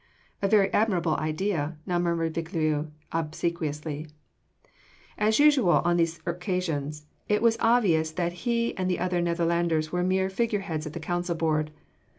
"A very admirable idea," now murmured Viglius obsequiously. As usual on these occasions, it was obvious that he and the other Netherlanders were mere figureheads at the council board.